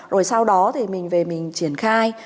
rồi sau đó thì mình về mình triển khai